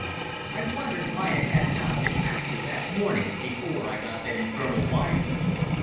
I wondered why I had not been happier that morning before I got that infernal wire.